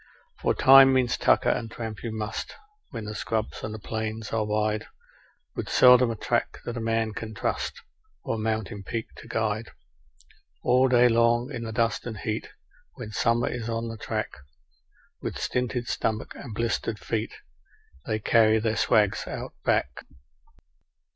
For time means tucker, and tramp you must, where the scrubs and plains are wide, With seldom a track that a man can trust, or a mountain peak to guide; All day long in the dust and heat when summer is on the track With stinted stomachs and blistered feet, they carry their swags Out Back.